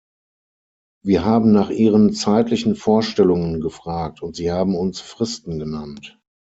Wir haben nach ihren zeitlichen Vorstellungen gefragt, und sie haben uns Fristen genannt.